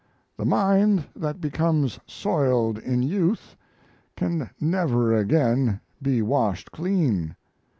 The mind that becomes soiled in youth can never again be washed clean.